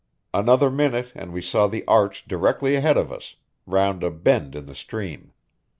Another minute and we saw the arch directly ahead of us, round a bend in the stream.